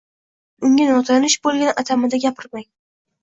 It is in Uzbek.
Bu degani unga notanish bo‘lgan atamada gapirmang.